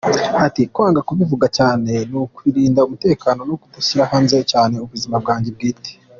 Ati “Kwanga kubivugaho cyane ni ukubarindira umutekano no kudashyira hanze cyane ubuzima bwanjye bwite.